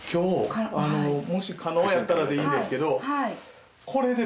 もし可能やったらでいいんですけど。